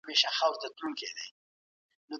مرګ وروسته د هغه د ډلي لخوا ښکاره مطرح